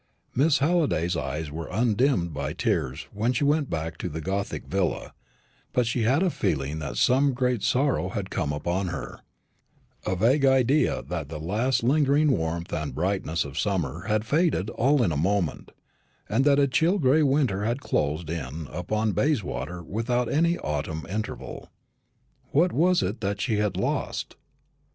Miss Halliday's eyes were undimmed by tears when she went back to the gothic villa; but she had a feeling that some great sorrow had come upon her a vague idea that the last lingering warmth and brightness of summer had faded all in a moment, and that chill gray winter had closed in upon Bayswater without any autumnal interval. What was it that she had lost?